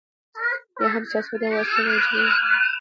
یا هم سياست د هغو اصلاحي او جمعي هڅو نوم دی،